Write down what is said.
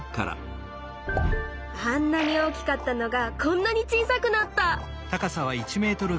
あんなに大きかったのがこんなに小さくなった！